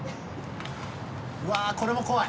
わぁこれも怖い。